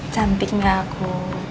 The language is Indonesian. cantik gak aku